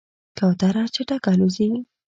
کوتره چټکه الوزي.